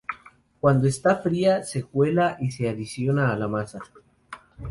Cuando está fría se cuela y se adiciona a la masa.